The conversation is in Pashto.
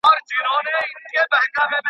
که موږ خپل دودونه پریږدو نو ورک به شو.